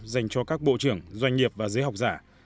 dành cho các bộ trưởng doanh nghiệp và giới học giả